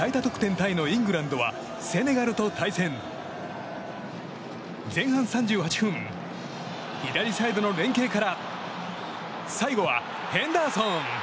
タイのイングランドはセネガルと対戦。前半３８分左サイドの連係から最後はヘンダーソン！